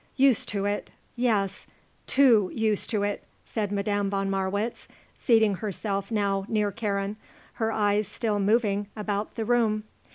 "Used to it. Yes. Too used to it," said Madame von Marwitz, seating herself now near Karen, her eyes still moving about the room.